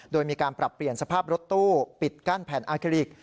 โดยมีการปรับเปลี่ยนสภาพรถตู้ปิดกั้นแผ่นอาเคริก